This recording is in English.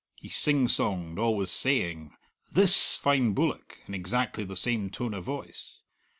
He sing songed, always saying "this fine bullock" in exactly the same tone of voice.